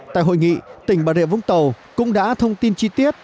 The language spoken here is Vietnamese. tại hội nghị tỉnh bà rịa vũng tàu cũng đã thông tin chi tiết